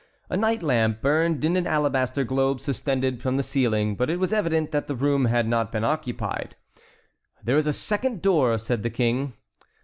A night lamp burned in an alabaster globe suspended from the ceiling; but it was evident that the room had not been occupied. "There is a second door," said the King.